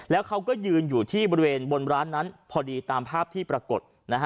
แล้วเขาก็ยืนอยู่ที่บริเวณบนร้านนั้นพอดีตามภาพที่ปรากฏนะฮะ